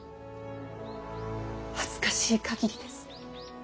恥ずかしい限りです。